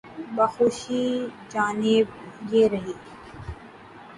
بخوشی جناب، یہ رہی۔